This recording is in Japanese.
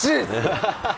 ハハハハ！